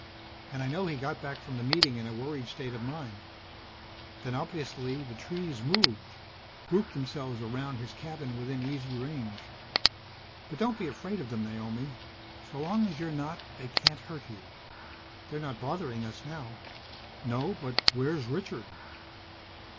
And I know he got back from the Meeting in a worried state of mind. Then, obviously, the trees moved grouped themselves around his cabin within easy range. But don't be afraid of them, Naomi. So long as you're not, they can't hurt you. They're not bothering us now." "No. But where's Richard?"